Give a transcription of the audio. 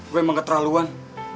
gue emang gak terlaluan